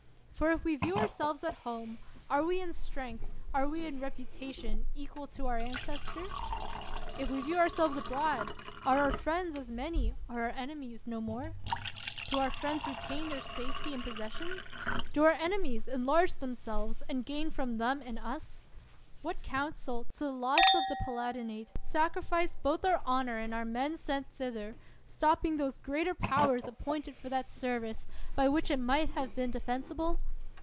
For, if we view ourselves at home, are we in strength, are we in reputation, equal to our ancestors ? If 41 THE WORLD'S FAMOUS ORATIONS we view ourselves abroad, are our friends as many, are our enemies no more ? Do our friends retain their safety and possessions? Do our enemies enlarge themselves, and gain from them and us? What council, to the loss of the Palat inate, sacrificed both our honor and our men sent thither, stopping those greater powers ap pointed for that service, by which it might have been defensible?